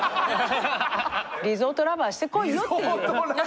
リゾート・ラバーしてこいよっていう。